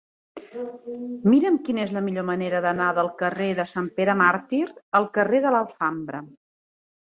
Mira'm quina és la millor manera d'anar del carrer de Sant Pere Màrtir al carrer de l'Alfambra.